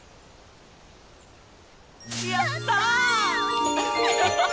やった！